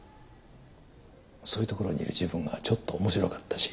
そういうところにいる自分がちょっと面白かったし。